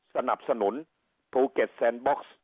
สนับสนุนภูเก็ตแซนบ็อกซ์